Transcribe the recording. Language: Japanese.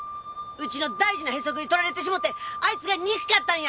うちの大事なへそくり盗られてしもてあいつが憎かったんや！